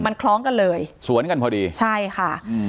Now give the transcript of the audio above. มันคล้องกันเลยสวนกันพอดีใช่ค่ะอืม